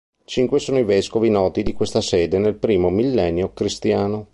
Cinque sono i vescovi noti di questa sede nel primo millennio cristiano.